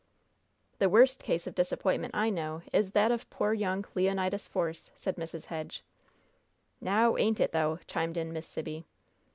"The worst case of disappointment I know of is that of poor young Leonidas Force!" said Mrs. Hedge. "Now ain't it, though" chimed in Miss Sibby.